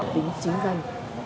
đính chính dân